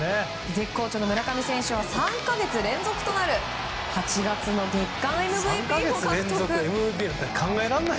絶好調の村上選手は３か月連続となる８月の月間ＭＶＰを獲得。